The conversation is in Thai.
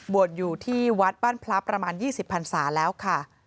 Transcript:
อยู่ที่วัดบ้านพลับประมาณ๒๐พันศาแล้วค่ะ